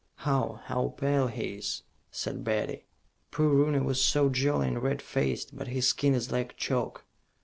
"How how pale he is," said Betty. "Poor Rooney was so jolly and red faced, but his skin is like chalk."